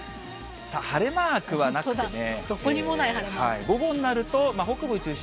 晴れマークはなくてね。